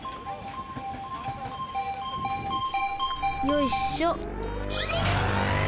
よいっしょ。